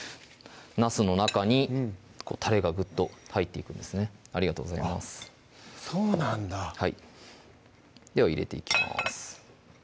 なすの中にたれがグッと入っていくんですねありがとうございますあっそうなんだでは入れていきます